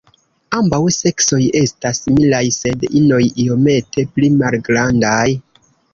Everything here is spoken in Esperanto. Ambaŭ seksoj esta similaj sed inoj iomete pli malgrandaj.